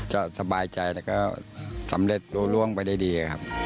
จะสบายใจแล้วก็สำเร็จร่วงไปได้ดี